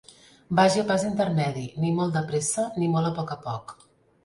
Vagi a pas intermedi, ni molt de pressa ni molt a poc a poc.